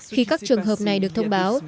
khi các trường hợp này được thông báo